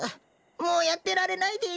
もうやってられないです。